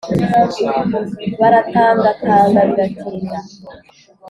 Baratangatanga biratinda